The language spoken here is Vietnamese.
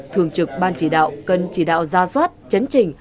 thường trực ban chỉ đạo cần chỉ đạo ra soát chấn chỉnh